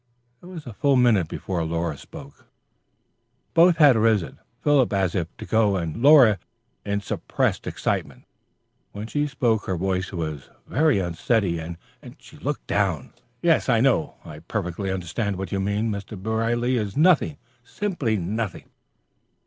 It was a full minute before Laura spoke. Both had risen, Philip as if to go, and Laura in suppressed excitement. When she spoke her voice was very unsteady, and she looked down. "Yes, I know. I perfectly understand what you mean. Mr. Brierly is nothing simply nothing.